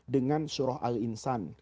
dengan surah al insan